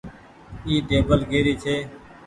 اي ٽيبل ڪري ڇي ۔